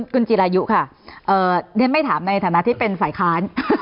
คุณจิรายุค่ะเรียนไม่ถามในฐานะที่เป็นฝ่ายค้าน